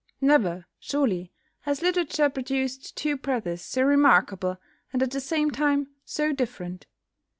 Never, surely, has literature produced two brothers so remarkable, and at the same time so different.